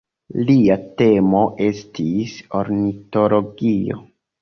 Lia temo estis ornitologio.